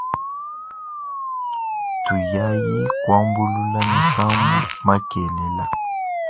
Tuyaya kuambulula misambu makelela.